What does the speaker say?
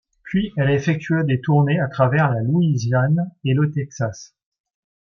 Puis elle effectua des tournées à travers la Louisiane et le Texas.